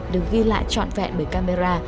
được ghi lại trọn vẹn bởi camera